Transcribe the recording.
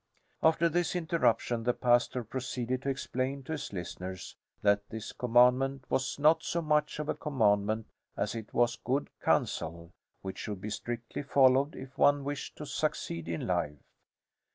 After this interruption the pastor proceeded to explain to his listeners that this commandment was not so much of a command as it was good counsel, which should be strictly followed if one wished to succeed in life.